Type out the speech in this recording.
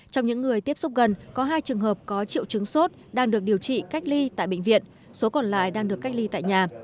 trong những người tiếp xúc gần có hai trường hợp có triệu chứng sốt đang được điều trị cách ly tại bệnh viện số còn lại đang được cách ly tại nhà